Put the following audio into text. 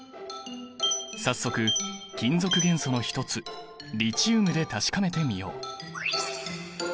早速金属元素の一つリチウムで確かめてみよう。